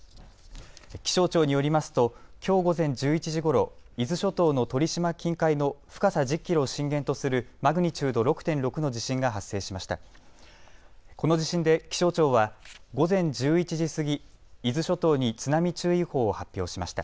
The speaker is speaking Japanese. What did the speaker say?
気象庁によりますときょう午前１１時ごろ伊豆諸島の鳥島近海の深さ１０キロを震源とするマグニチュード６．６の地震が発生しました。